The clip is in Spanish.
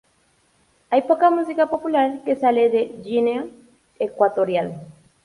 Hay poca música popular que sale de Guinea Ecuatorial.